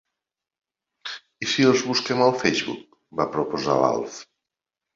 I si els busquem al Facebook —va proposar l'Alf—.